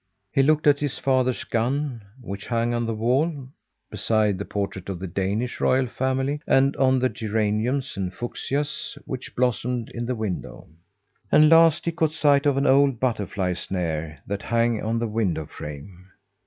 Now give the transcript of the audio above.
He looked at his father's gun, which hung on the wall, beside the portrait of the Danish royal family, and on the geraniums and fuchsias, which blossomed in the window. And last, he caught sight of an old butterfly snare that hung on the window frame.